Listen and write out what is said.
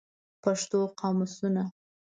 پښتو قاموسونه